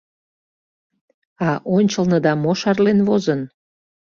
— А ончылныда мо шарлен возын?